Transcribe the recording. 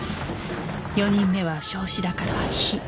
４人目は焼死だから火。